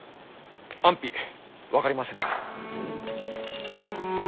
安否分かりませぬ。